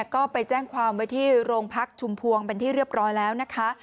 ก็ไปแจ้งความไว้ที่โรงพักชุมพวงเป็นที่เรียบร้อยแล้วนะคะ